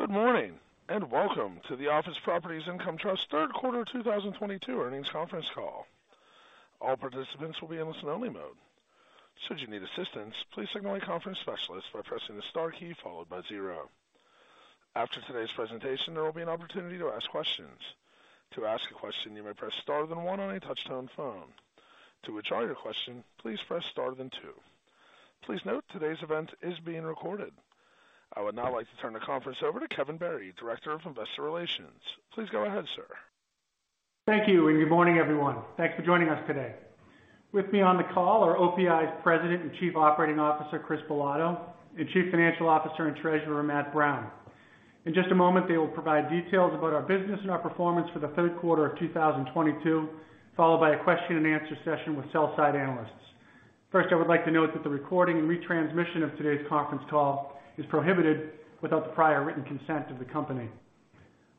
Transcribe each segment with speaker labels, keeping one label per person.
Speaker 1: Good morning, and welcome to the Office Properties Income Trust third quarter 2022 earnings conference call. All participants will be in listen only mode. Should you need assistance, please signal a conference specialist by pressing the star key followed by zero. After today's presentation, there will be an opportunity to ask questions. To ask a question, you may press star then one on a touch-tone phone. To withdraw your question, please press star then two. Please note today's event is being recorded. I would now like to turn the conference over to Kevin Barry, Director of Investor Relations. Please go ahead, sir.
Speaker 2: Thank you, and good morning, everyone. Thanks for joining us today. With me on the call are OPI's President and Chief Operating Officer, Chris Bilotto, and Chief Financial Officer and Treasurer, Matt Brown. In just a moment, they will provide details about our business and our performance for the third quarter of 2022, followed by a question and answer session with sell-side analysts. First, I would like to note that the recording and retransmission of today's conference call is prohibited without the prior written consent of the company.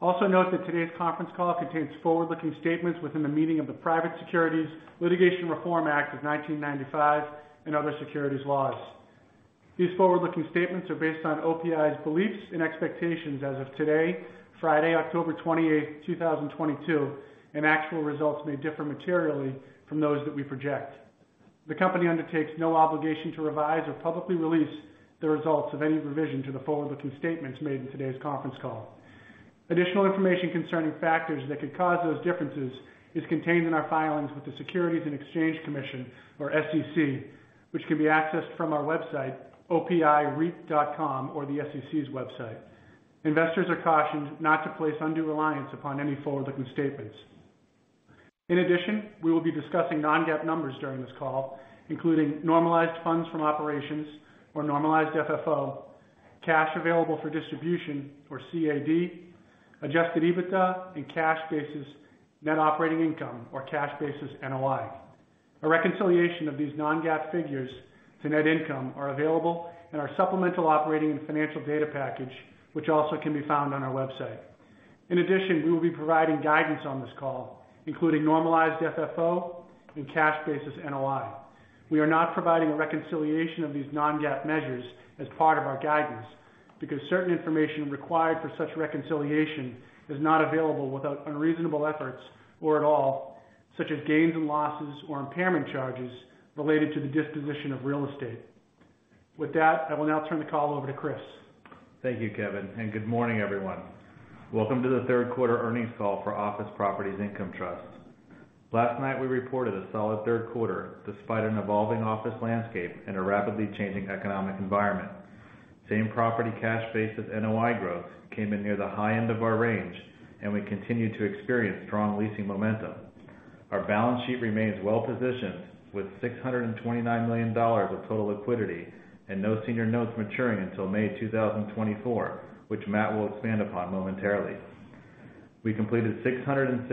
Speaker 2: Also note that today's conference call contains forward-looking statements within the meaning of the Private Securities Litigation Reform Act of 1995 and other securities laws. These forward-looking statements are based on OPI's beliefs and expectations as of today, Friday, October 28th, 2022, and actual results may differ materially from those that we project. The company undertakes no obligation to revise or publicly release the results of any revision to the forward-looking statements made in today's conference call. Additional information concerning factors that could cause those differences is contained in our filings with the Securities and Exchange Commission or SEC, which can be accessed from our website, opireit.com, or the SEC's website. Investors are cautioned not to place undue reliance upon any forward-looking statements. In addition, we will be discussing non-GAAP numbers during this call, including normalized funds from operations or normalized FFO, cash available for distribution or CAD, Adjusted EBITDA and cash basis net operating income or Cash Basis NOI. A reconciliation of these non-GAAP figures to net income are available in our supplemental operating and financial data package, which also can be found on our website. In addition, we will be providing guidance on this call, including Normalized FFO and Cash Basis NOI. We are not providing a reconciliation of these non-GAAP measures as part of our guidance because certain information required for such reconciliation is not available without unreasonable efforts or at all, such as gains and losses or impairment charges related to the disposition of real estate. With that, I will now turn the call over to Chris.
Speaker 3: Thank you, Kevin, and good morning everyone. Welcome to the third quarter earnings call for Office Properties Income Trust. Last night we reported a solid third quarter despite an evolving office landscape and a rapidly changing economic environment. Same property Cash Basis NOI growth came in near the high end of our range and we continued to experience strong leasing momentum. Our balance sheet remains well positioned with $629 million of total liquidity and no senior notes maturing until May 2024, which Matt will expand upon momentarily. We completed 606,000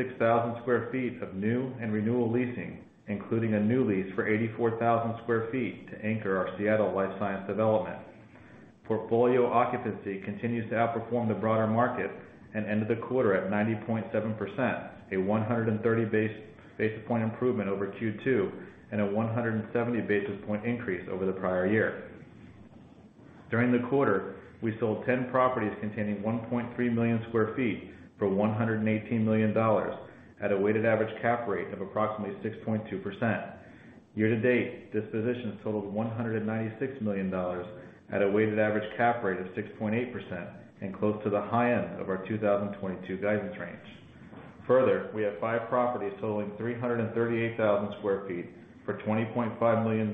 Speaker 3: sq ft of new and renewal leasing, including a new lease for 84,000 sq ft to anchor our Seattle life science development. Portfolio occupancy continues to outperform the broader market and ended the quarter at 90.7%, a 130 basis point improvement over Q2 and a 170 basis point increase over the prior year. During the quarter, we sold 10 properties containing 1.3 million sq ft for $118 million at a weighted average cap rate of approximately 6.2%. Year to date, dispositions totaled $196 million at a weighted average cap rate of 6.8% and close to the high end of our 2022 guidance range. Further, we have five properties totaling 338,000 sq ft for $20.5 million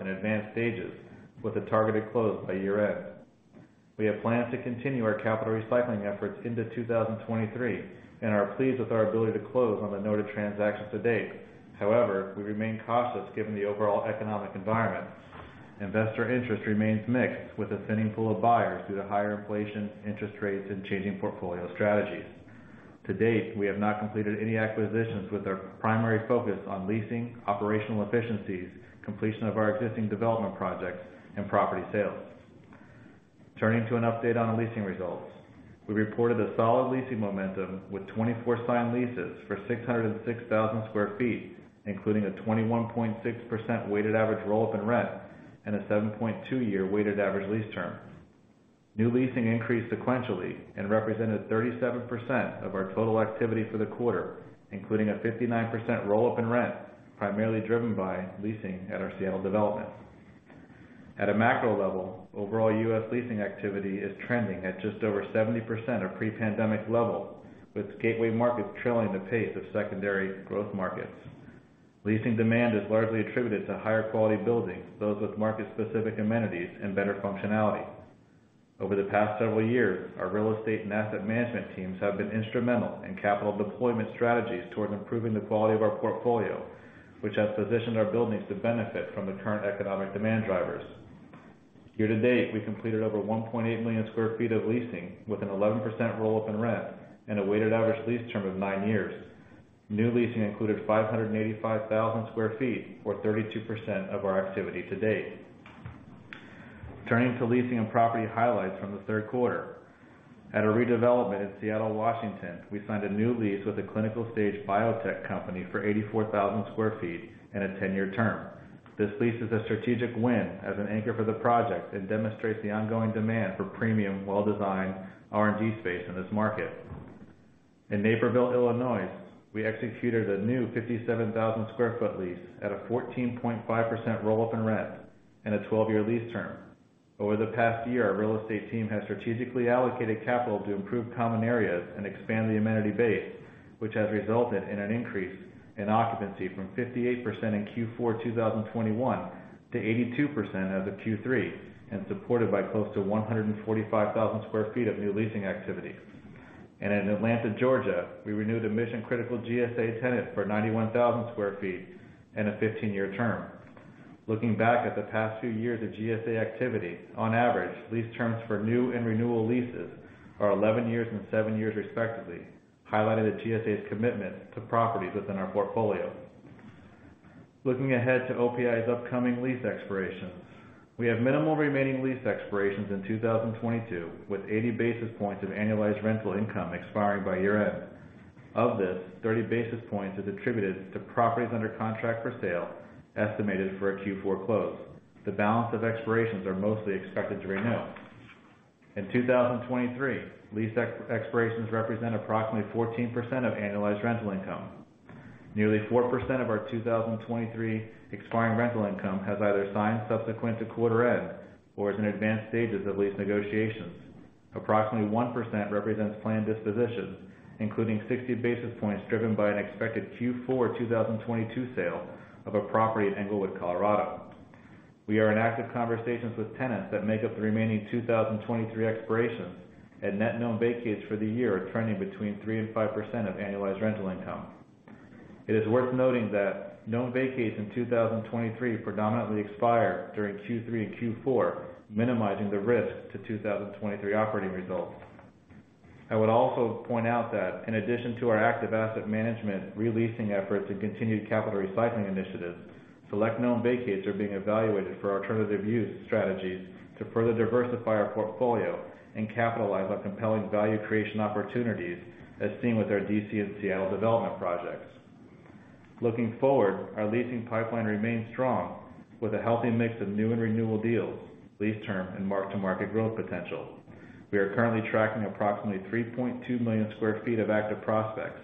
Speaker 3: in advanced stages with a targeted close by year-end. We have plans to continue our capital recycling efforts into 2023 and are pleased with our ability to close on the noted transactions to date. However, we remain cautious given the overall economic environment. Investor interest remains mixed with a thinning pool of buyers due to higher inflation, interest rates and changing portfolio strategies. To date, we have not completed any acquisitions with our primary focus on leasing, operational efficiencies, completion of our existing development projects and property sales. Turning to an update on our leasing results. We reported a solid leasing momentum with 24 signed leases for 606,000 sq ft, including a 21.6% weighted average roll up in rent and a 7.2-year weighted average lease term. New leasing increased sequentially and represented 37% of our total activity for the quarter, including a 59% roll up in rent, primarily driven by leasing at our Seattle development. At a macro level, overall U.S. leasing activity is trending at just over 70% of pre-pandemic level, with gateway markets trailing the pace of secondary growth markets. Leasing demand is largely attributed to higher quality buildings, those with market specific amenities and better functionality. Over the past several years, our real estate and asset management teams have been instrumental in capital deployment strategies toward improving the quality of our portfolio, which has positioned our buildings to benefit from the current economic demand drivers. Year to date, we completed over 1.8 million sq ft of leasing with an 11% roll up in rent and a weighted average lease term of nine years. New leasing included 585,000 sq ft or 32% of our activity to date. Turning to leasing and property highlights from the third quarter. At a redevelopment in Seattle, Washington, we signed a new lease with a clinical stage biotech company for 84,000 sq ft and a ten-year term. This lease is a strategic win as an anchor for the project and demonstrates the ongoing demand for premium, well-designed R&D space in this market. In Naperville, Illinois, we executed a new 57,000 sq ft lease at a 14.5% roll-up in rent and a twelve-year lease term. Over the past year, our real estate team has strategically allocated capital to improve common areas and expand the amenity base, which has resulted in an increase in occupancy from 58% in Q4 2021 to 82% as of Q3, and supported by close to 145,000 sq ft of new leasing activity. In Atlanta, Georgia, we renewed a mission-critical GSA tenant for 91,000 sq ft and a 15-year term. Looking back at the past two years of GSA activity, on average, lease terms for new and renewal leases are 11 years and 7 years respectively, highlighting the GSA's commitment to properties within our portfolio. Looking ahead to OPI's upcoming lease expirations, we have minimal remaining lease expirations in 2022, with 80 basis points of annualized rental income expiring by year-end. Of this, 30 basis points is attributed to properties under contract for sale, estimated for a Q4 close. The balance of expirations are mostly expected to renew. In 2023, lease expirations represent approximately 14% of annualized rental income. Nearly 4% of our 2023 expiring rental income has either signed subsequent to quarter end or is in advanced stages of lease negotiations. Approximately 1% represents planned dispositions, including 60 basis points driven by an expected Q4 2022 sale of a property in Englewood, Colorado. We are in active conversations with tenants that make up the remaining 2023 expirations, and net known vacates for the year are trending between 3% and 5% of annualized rental income. It is worth noting that known vacates in 2023 predominantly expire during Q3 and Q4, minimizing the risk to 2023 operating results. I would also point out that in addition to our active asset management re-leasing efforts and continued capital recycling initiatives, select known vacates are being evaluated for alternative use strategies to further diversify our portfolio and capitalize on compelling value creation opportunities, as seen with our D.C. and Seattle development projects. Looking forward, our leasing pipeline remains strong with a healthy mix of new and renewal deals, lease term, and mark-to-market growth potential. We are currently tracking approximately 3.2 million sq ft of active prospects,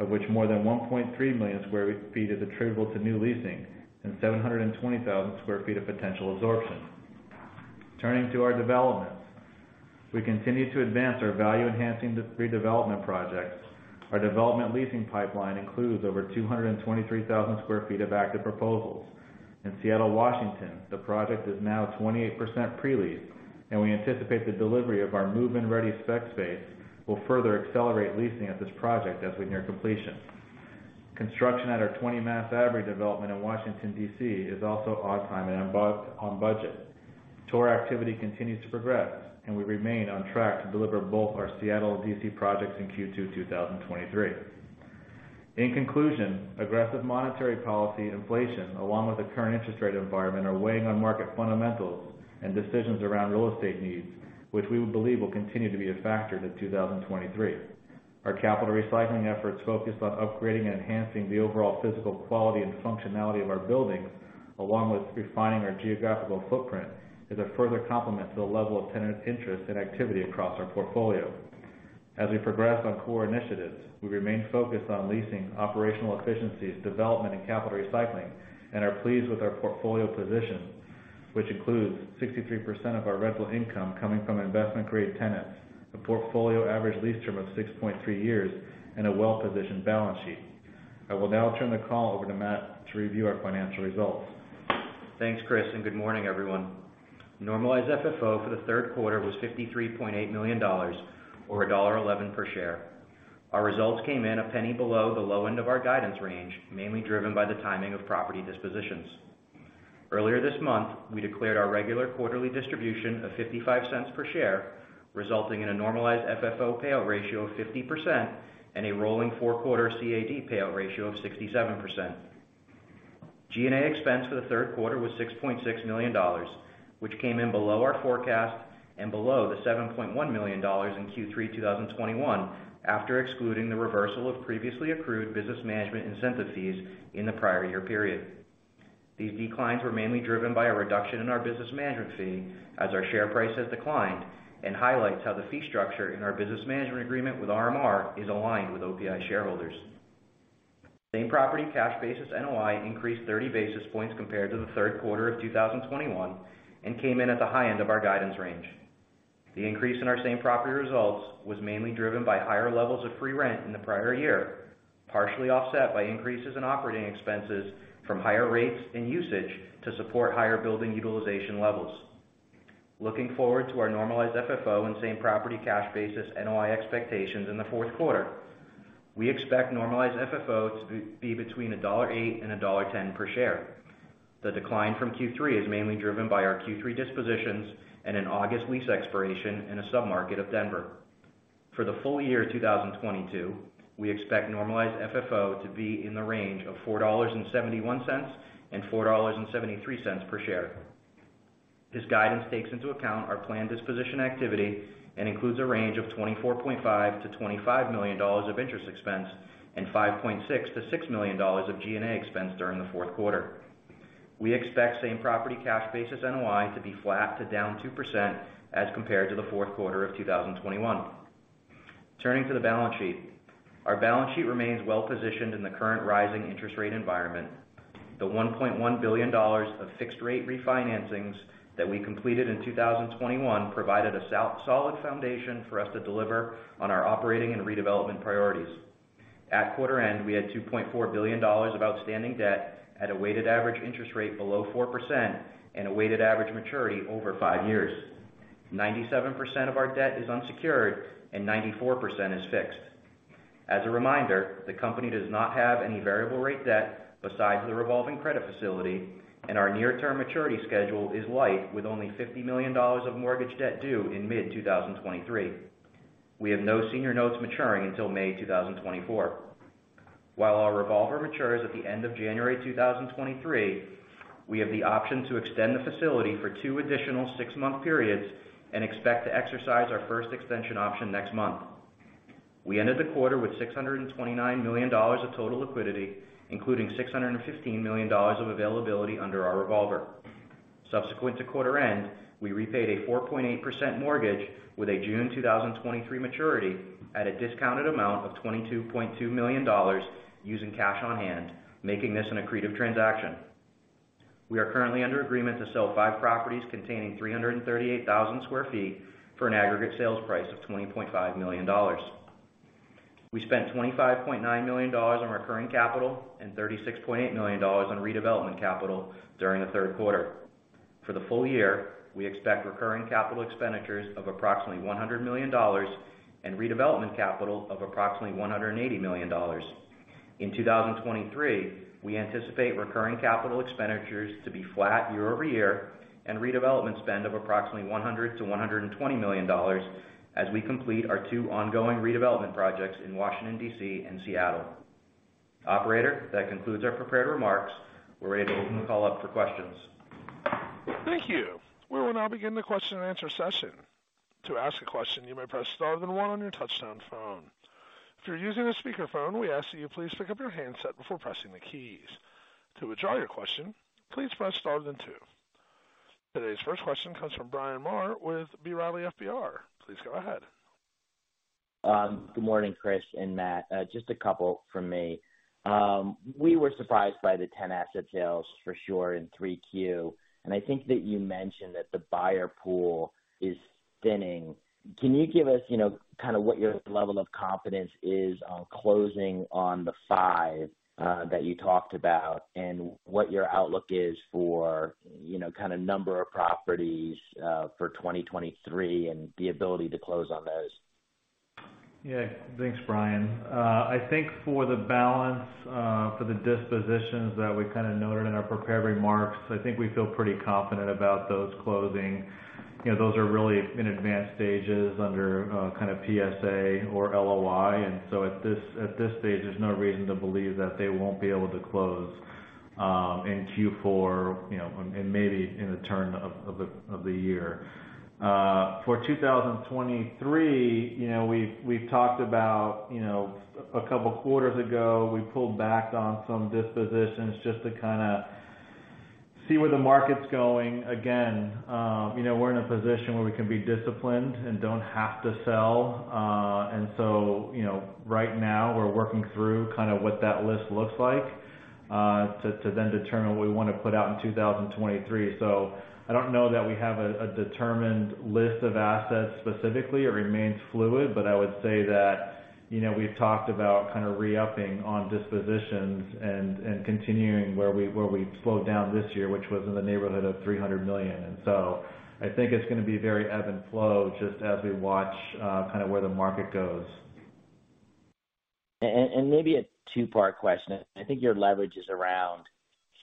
Speaker 3: of which more than 1.3 million sq ft is attributable to new leasing and 720,000 sq ft of potential absorption. Turning to our developments. We continue to advance our value-enhancing three development projects. Our development leasing pipeline includes over 223,000 sq ft of active proposals. In Seattle, Washington, the project is now 28% pre-leased, and we anticipate the delivery of our move-in ready spec space will further accelerate leasing at this project as we near completion. Construction at our 20 Mass Ave development in Washington, D.C., is also on time and on budget. Tour activity continues to progress, and we remain on track to deliver both our Seattle and D.C. projects in Q2 2023. In conclusion, aggressive monetary policy, inflation, along with the current interest rate environment, are weighing on market fundamentals and decisions around real estate needs, which we believe will continue to be a factor to 2023. Our capital recycling efforts focused on upgrading and enhancing the overall physical quality and functionality of our buildings, along with refining our geographical footprint, is a further complement to the level of tenant interest and activity across our portfolio. As we progress on core initiatives, we remain focused on leasing, operational efficiencies, development, and capital recycling, and are pleased with our portfolio position, which includes 63% of our rental income coming from investment grade tenants, a portfolio average lease term of 6.3 years, and a well-positioned balance sheet. I will now turn the call over to Matt to review our financial results.
Speaker 4: Thanks, Chris, and good morning, everyone. Normalized FFO for the third quarter was $53.8 million or $1.11 per share. Our results came in $0.01 below the low end of our guidance range, mainly driven by the timing of property dispositions. Earlier this month, we declared our regular quarterly distribution of $0.55 per share, resulting in a normalized FFO payout ratio of 50% and a rolling four-quarter CAD payout ratio of 67%. G&A expense for the third quarter was $6.6 million, which came in below our forecast and below the $7.1 million in Q3 2021 after excluding the reversal of previously accrued business management incentive fees in the prior year period. These declines were mainly driven by a reduction in our business management fee as our share price has declined and highlights how the fee structure in our business management agreement with RMR is aligned with OPI shareholders. Same-property cash basis NOI increased 30 basis points compared to the third quarter of 2021 and came in at the high end of our guidance range. The increase in our same-property results was mainly driven by higher levels of free rent in the prior year, partially offset by increases in operating expenses from higher rates and usage to support higher building utilization levels. Looking forward to our normalized FFO and same-property cash basis NOI expectations in the fourth quarter. We expect normalized FFO to be between $1.08 and $1.10 per share. The decline from Q3 is mainly driven by our Q3 dispositions and an August lease expiration in a sub-market of Denver. For the full year 2022, we expect Normalized FFO to be in the range of $4.71 and $4.73 per share. This guidance takes into account our planned disposition activity and includes a range of $24.5 million-$25 million of interest expense and $5.6 million-$6 million of G&A expense during the fourth quarter. We expect same-property Cash Basis NOI to be flat to down 2% as compared to the fourth quarter of 2021. Turning to the balance sheet. Our balance sheet remains well-positioned in the current rising interest rate environment. The $1.1 billion of fixed-rate refinancings that we completed in 2021 provided a solid foundation for us to deliver on our operating and redevelopment priorities. At quarter end, we had $2.4 billion of outstanding debt at a weighted average interest rate below 4% and a weighted average maturity over five years. 97% of our debt is unsecured and 94% is fixed. As a reminder, the company does not have any variable rate debt besides the revolving credit facility, and our near-term maturity schedule is light with only $50 million of mortgage debt due in mid-2023. We have no senior notes maturing until May 2024. While our revolver matures at the end of January 2023, we have the option to extend the facility for two additional six-month periods and expect to exercise our first extension option next month. We ended the quarter with $629 million of total liquidity, including $615 million of availability under our revolver. Subsequent to quarter end, we repaid a 4.8% mortgage with a June 2023 maturity at a discounted amount of $22.2 million using cash on-hand, making this an accretive transaction. We are currently under agreement to sell five properties containing 338,000 sq ft for an aggregate sales price of $20.5 million. We spent $25.9 million on recurring capital and $36.8 million on redevelopment capital during the third quarter. For the full year, we expect recurring capital expenditures of approximately $100 million and redevelopment capital of approximately $180 million. In 2023, we anticipate recurring capital expenditures to be flat year-over-year and redevelopment spend of approximately $100-$120 million as we complete our two ongoing redevelopment projects in Washington, D.C., and Seattle. Operator, that concludes our prepared remarks. We're ready to open the call up for questions.
Speaker 1: Thank you. We will now begin the question-and-answer session. To ask a question, you may press star then one on your touchtone phone. If you're using a speakerphone, we ask that you please pick up your handset before pressing the keys. To withdraw your question, please press star then two. Today's first question comes from Bryan Maher with B. Riley FBR. Please go ahead.
Speaker 5: Good morning, Chris and Matt. Just a couple from me. We were surprised by the 10 asset sales for sure in 3Q. I think that you mentioned that the buyer pool is thinning. Can you give us, you know, kind of what your level of confidence is on closing on the five that you talked about and what your outlook is for, you know, kind of number of properties for 2023 and the ability to close on those?
Speaker 3: Yeah. Thanks, Bryan. I think for the balance for the dispositions that we kind of noted in our prepared remarks, I think we feel pretty confident about those closing. You know, those are really in advanced stages under kind of PSA or LOI. At this stage, there's no reason to believe that they won't be able to close in Q4, you know, and maybe in the turn of the year. For 2023, you know, we've talked about, you know, a couple quarters ago, we pulled back on some dispositions just to kinda see where the market's going. Again, you know, we're in a position where we can be disciplined and don't have to sell. You know, right now we're working through kind of what that list looks like, to then determine what we wanna put out in 2023. I don't know that we have a determined list of assets specifically. It remains fluid. I would say that, you know, we've talked about kind of re-upping on dispositions and continuing where we slowed down this year, which was in the neighborhood of $300 million. I think it's gonna be very ebb and flow just as we watch kind of where the market goes.
Speaker 5: Maybe a two-part question. I think your leverage is around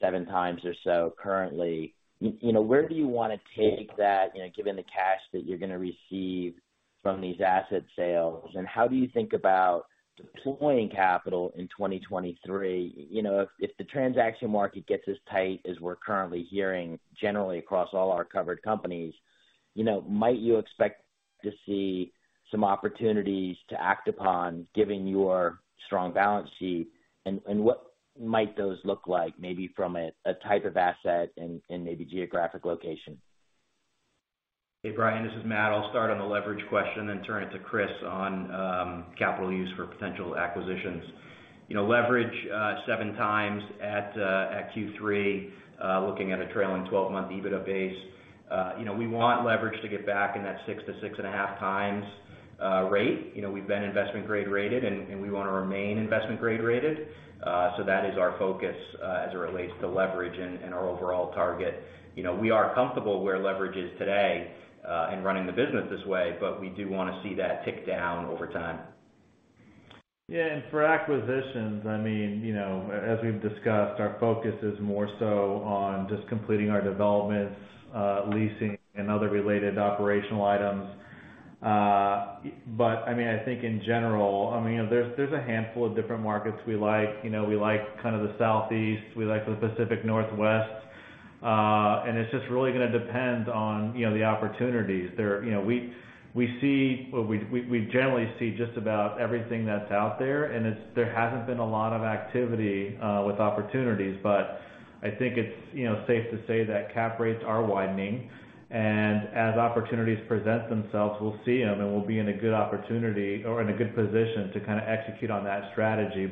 Speaker 5: seven times or so currently. You know, where do you wanna take that, you know, given the cash that you're gonna receive from these asset sales? How do you think about deploying capital in 2023? You know, if the transaction market gets as tight as we're currently hearing generally across all our covered companies, you know, might you expect to see some opportunities to act upon given your strong balance sheet? What might those look like maybe from a type of asset and maybe geographic location?
Speaker 4: Hey, Bryan, this is Matt. I'll start on the leverage question, then turn it to Chris on capital use for potential acquisitions. You know, leverage 7x at Q3, looking at a trailing 12-month EBITDA base. You know, we want leverage to get back in that 6-6.5x rate. You know, we've been investment grade rated, and we wanna remain investment grade rated. That is our focus as it relates to leverage and our overall target. You know, we are comfortable where leverage is today in running the business this way, but we do wanna see that tick down over time.
Speaker 3: Yeah, for acquisitions, I mean, you know, as we've discussed, our focus is more so on just completing our developments, leasing and other related operational items. I mean, I think in general, there's a handful of different markets we like. You know, we like kind of the Southeast, we like the Pacific Northwest. It's just really gonna depend on, you know, the opportunities. There, you know, we generally see just about everything that's out there, and there hasn't been a lot of activity with opportunities. I think it's, you know, safe to say that cap rates are widening. As opportunities present themselves, we'll see them, and we'll be in a good opportunity or in a good position to kinda execute on that strategy.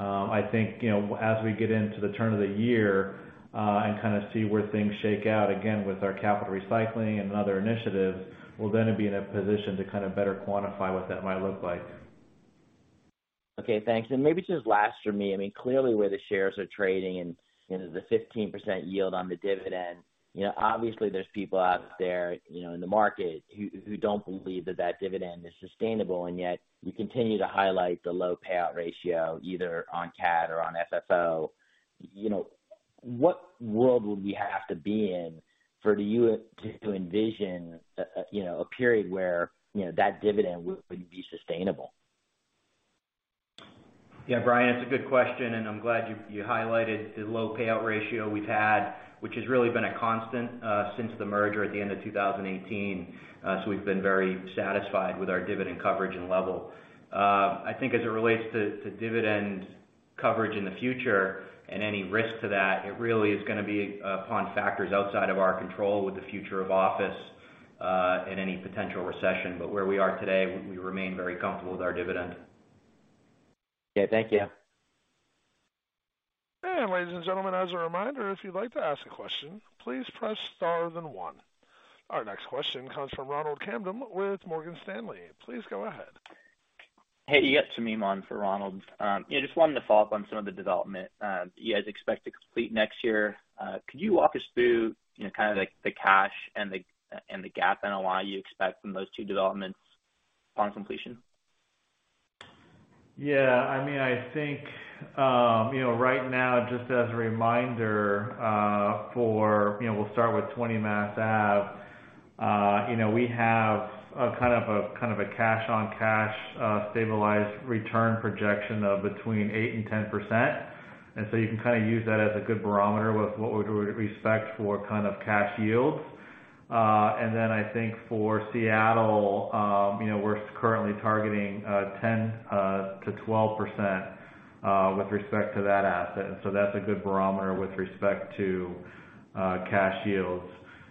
Speaker 3: I think, you know, as we get into the turn of the year, and kinda see where things shake out, again, with our capital recycling and other initiatives, we're gonna be in a position to kind of better quantify what that might look like.
Speaker 5: Okay, thanks. Maybe just last for me. I mean, clearly, where the shares are trading and the 15% yield on the dividend, you know, obviously there's people out there, you know, in the market who don't believe that that dividend is sustainable, and yet we continue to highlight the low payout ratio either on CAD or on FFO. You know, what world would we have to be in for you to envision, you know, a period where, you know, that dividend would be sustainable?
Speaker 3: Yeah. Bryan, it's a good question, and I'm glad you highlighted the low payout ratio we've had, which has really been a constant since the merger at the end of 2018. We've been very satisfied with our dividend coverage and level. I think as it relates to dividend coverage in the future and any risk to that, it really is gonna be upon factors outside of our control with the future of office and any potential recession. Where we are today, we remain very comfortable with our dividend.
Speaker 5: Okay. Thank you.
Speaker 1: Ladies and gentlemen, as a reminder, if you'd like to ask a question, please press Star then one. Our next question comes from Ronald Kamdem with Morgan Stanley. Please go ahead.
Speaker 6: Hey, you've got me on for Ronald Kamdem. Yeah, just wanted to follow up on some of the development you guys expect to complete next year. Could you walk us through, you know, kind of like the cash and the GAAP NOI you expect from those two developments upon completion?
Speaker 3: Yeah, I mean, I think, you know, right now, just as a reminder, for, you know, we'll start with Twenty Mass Ave. You know, we have kind of a cash-on-cash, stabilized return projection of between 8% and 10%. You can kinda use that as a good barometer with what we'd respect for kind of cash yields. Then I think for Seattle, you know, we're currently targeting 10% to 12% with respect to that asset. That's a good barometer with respect to cash yields.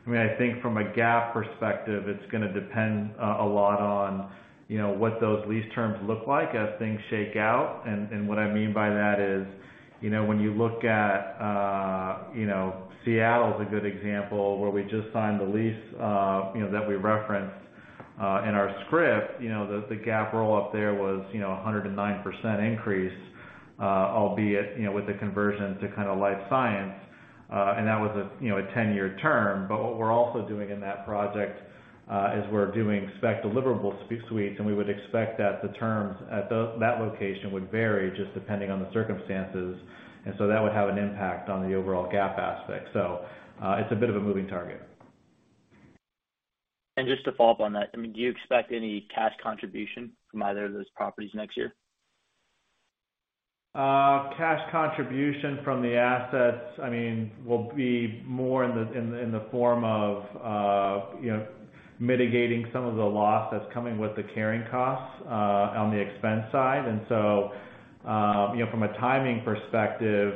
Speaker 3: I mean, I think from a GAAP perspective, it's gonna depend a lot on, you know, what those lease terms look like as things shake out. What I mean by that is, you know, when you look at, you know, Seattle is a good example where we just signed the lease, you know, that we referenced in our script, you know, the GAAP roll-up there was, you know, a 109% increase, albeit, you know, with the conversion to kinda life science. That was a, you know, a 10-year term. What we're also doing in that project is we're doing spec deliverable suites, and we would expect that the terms at that location would vary just depending on the circumstances. That would have an impact on the overall GAAP aspect. It's a bit of a moving target.
Speaker 6: Just to follow up on that, I mean, do you expect any cash contribution from either of those properties next year?
Speaker 3: Cash contribution from the assets, I mean, will be more in the form of, you know, mitigating some of the loss that's coming with the carrying costs on the expense side. You know, from a timing perspective,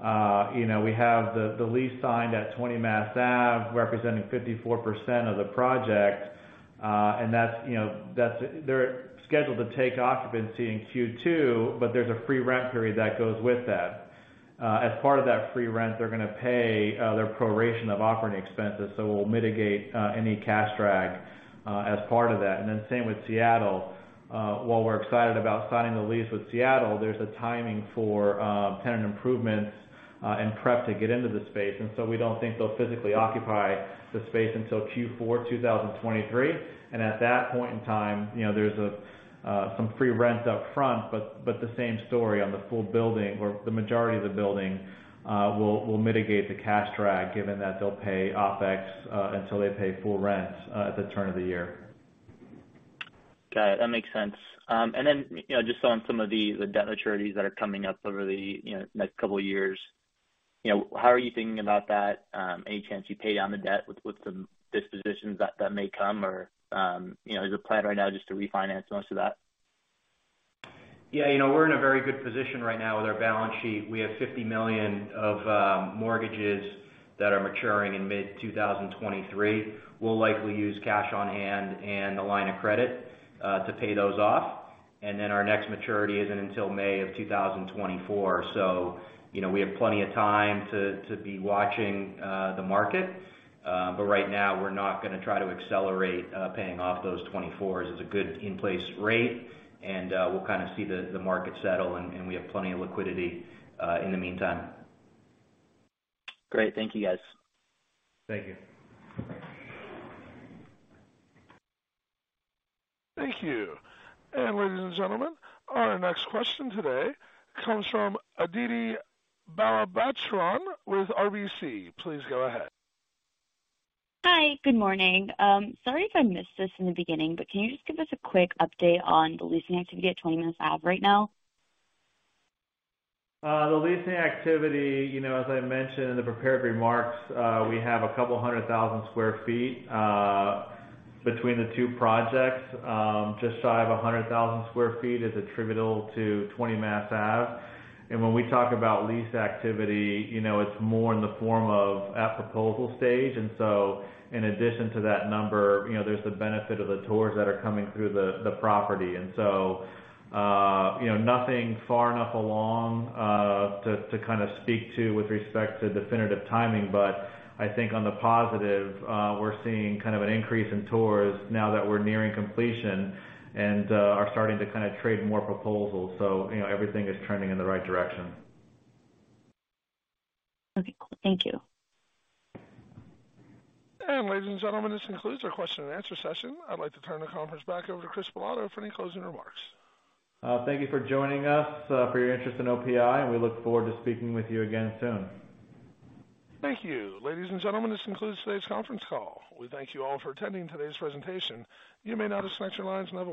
Speaker 3: you know, we have the lease signed at 20 Mass Ave representing 54% of the project. That's, you know, that's. They're scheduled to take occupancy in Q2, but there's a free rent period that goes with that. As part of that free rent, they're gonna pay their proration of operating expenses, so we'll mitigate any cash drag as part of that. Then same with Seattle. While we're excited about signing the lease with Seattle, there's a timing for tenant improvements and prep to get into the space. We don't think they'll physically occupy the space until Q4 2023. At that point in time, you know, there's some free rent up front, but the same story on the full building or the majority of the building, we'll mitigate the cash drag given that they'll pay OpEx until they pay full rent at the turn of the year.
Speaker 7: Got it. That makes sense. You know, just on some of the debt maturities that are coming up over the, you know, next couple years. You know, how are you thinking about that? Any chance you pay down the debt with some dispositions that may come or, you know, is it planned right now just to refinance most of that?
Speaker 4: Yeah. You know, we're in a very good position right now with our balance sheet. We have $50 million of mortgages that are maturing in mid-2023. We'll likely use cash on hand and a line of credit to pay those off. Our next maturity isn't until May 2024. You know, we have plenty of time to be watching the market. But right now we're not gonna try to accelerate paying off those 2024s. It's a good in-place rate and we'll kinda see the market settle and we have plenty of liquidity in the meantime.
Speaker 7: Great. Thank you, guys.
Speaker 4: Thank you.
Speaker 1: Thank you. Ladies and gentlemen, our next question today comes from Aditi Balachandran with RBC. Please go ahead.
Speaker 8: Hi. Good morning. Sorry if I missed this in the beginning, but can you just give us a quick update on the leasing activity at 20 Mass Ave right now?
Speaker 3: The leasing activity, you know, as I mentioned in the prepared remarks, we have 200,000 sq ft between the two projects. Just so, 100,000 sq ft is attributable to 20 Mass Ave. When we talk about lease activity, you know, it's more in the form of at proposal stage. In addition to that number, you know, there's the benefit of the tours that are coming through the property. You know, nothing far enough along to kind of speak to with respect to definitive timing. I think on the positive, we're seeing kind of an increase in tours now that we're nearing completion and are starting to kind of track more proposals. You know, everything is trending in the right direction.
Speaker 8: Okay, cool. Thank you.
Speaker 1: Ladies and gentlemen, this concludes our question and answer session. I'd like to turn the conference back over to Christopher Bilotto for any closing remarks.
Speaker 3: Thank you for joining us, for your interest in OPI, and we look forward to speaking with you again soon.
Speaker 1: Thank you. Ladies and gentlemen, this concludes today's conference call. We thank you all for attending today's presentation. You may now disconnect your lines and have a great day.